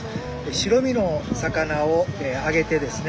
白身の魚を揚げてですね